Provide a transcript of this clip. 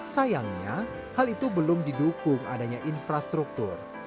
sayangnya hal itu belum didukung adanya infrastruktur